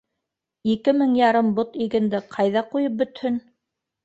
Ике мең ярым бот игенде ҡайҙа ҡуйып бөтһөн.